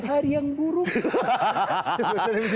hari yang buruk